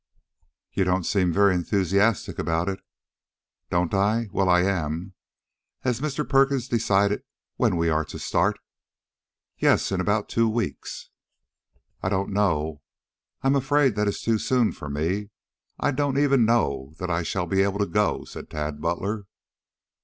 "You don't seem very enthusiastic about it." "Don't I? Well, I am. Has Mr. Perkins decided when we are to start?" "Yes, in about two weeks." "I don't know. I am afraid that is too soon for me. I don't even know that I shall be able to go," said Tad Butler.